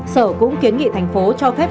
sở cũng kiến nghị thành phố cho phép